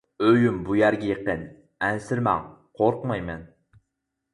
-ئۆيۈم بۇ يەرگە يېقىن، ئەنسىرىمەڭ، قورقمايمەن.